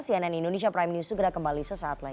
cnn indonesia prime news segera kembali sesaat lagi